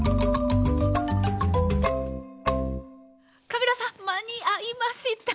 カビラさん間に合いました。